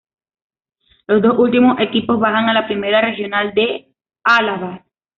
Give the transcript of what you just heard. Los dos últimos equipos bajan a la Primera Regional de Álava.